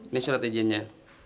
ini surat izinnya